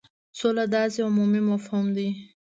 سوله داسي عمومي مفهوم دی.